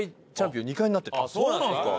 あっそうなんですか？